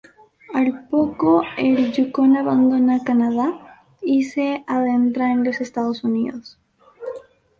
Al poco, el Yukón abandona Canadá y se adentra en los Estados Unidos.